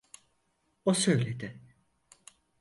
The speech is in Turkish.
O söyledi.